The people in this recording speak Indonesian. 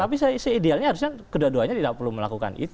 tapi seidealnya harusnya keduanya tidak perlu melakukan itu